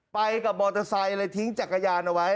ไปกับมอเตอร์ไซค์เลยทิ้งจักรยานเอาไว้